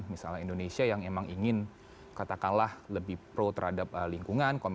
misalnya indonesia yang memang ingin katakanlah lebih pro terhadap lingkungan